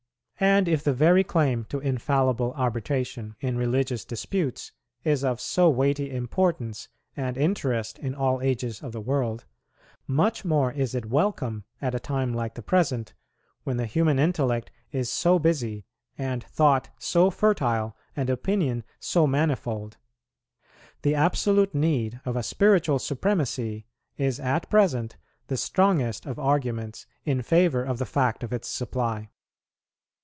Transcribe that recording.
And if the very claim to infallible arbitration in religious disputes is of so weighty importance and interest in all ages of the world, much more is it welcome at a time like the present, when the human intellect is so busy, and thought so fertile, and opinion so manifold. The absolute need of a spiritual supremacy is at present the strongest of arguments in favour of the fact of its supply.